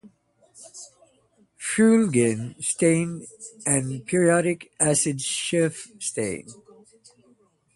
Feulgen stain and periodic acid-Schiff stain.